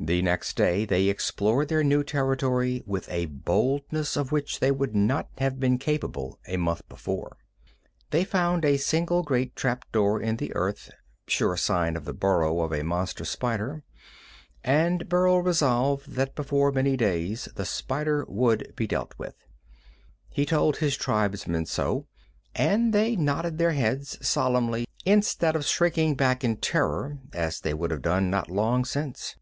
The next day they explored their new territory with a boldness of which they would not have been capable a month before. They found a single great trap door in the earth, sure sign of the burrow of a monster spider, and Burl resolved that before many days the spider would be dealt with. He told his tribesmen so, and they nodded their heads solemnly instead of shrinking back in terror as they would have done not long since.